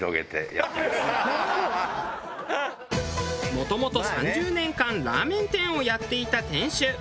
もともと３０年間ラーメン店をやっていた店主。